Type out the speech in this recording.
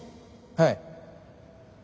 はい。